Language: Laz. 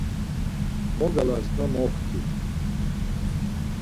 Mogalasna moxti.